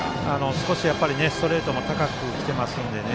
少しストレートが高く来ていますのでね。